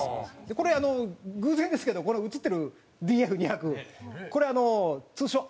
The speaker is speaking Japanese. これ偶然ですけどこの映ってるＤＦ２００これ通称Ａｉ−Ｍｅといいまして。